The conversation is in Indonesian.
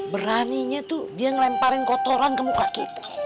beraninya tuh dia ngelemparin kotoran ke muka kita